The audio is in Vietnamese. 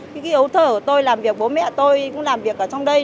cái ấu thở của tôi làm việc bố mẹ tôi cũng làm việc ở trong đây